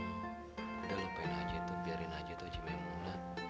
udah lupain haja itu biarin haja itu aja mai mula